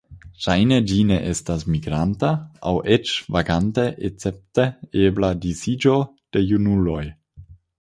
Ŝajne ĝi ne estas migranta aŭ eĉ vaganta escepte ebla disiĝo de junuloj.